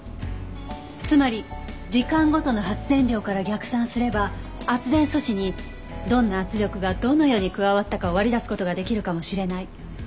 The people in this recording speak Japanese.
つまり時間ごとの発電量から逆算すれば圧電素子にどんな圧力がどのように加わったかを割り出す事ができるかもしれない。